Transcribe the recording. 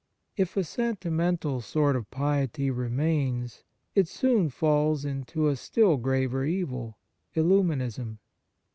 If a sentimental sort of piety re mains, it soon falls into a still graver evil, illuminism.